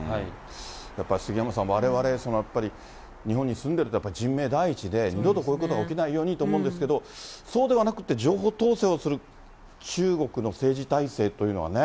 やっぱり杉山さん、われわれやっぱり日本に住んでると人命第一で、二度とこういうことが起きないようにと思うんですけど、そうではなくって情報統制をする中国の政治体制というのはね。